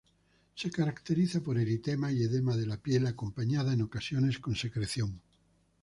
Se caracteriza por eritema y edema de la piel acompañada en ocasiones con secreción.